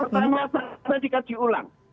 jadi pertama kaji ulang